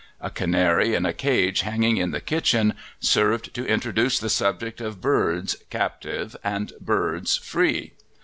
A canary in a cage hanging in the kitchen served to introduce the subject of birds captive and birds free.